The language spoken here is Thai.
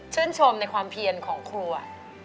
ชื่นชมในความเพียงของครู